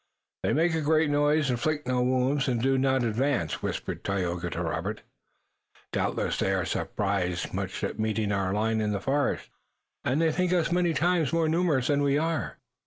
"They make a great noise, inflict no wounds, and do not advance," whispered Tayoga to Robert. "Doubtless they are surprised much at meeting our line in the forest, and think us many times more numerous than we are."